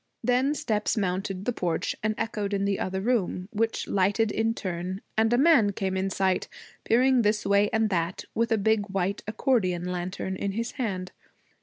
Then steps mounted the porch and echoed in the other room, which lighted in turn, and a man came in sight, peering this way and that, with a big white accordeon lantern in his hand.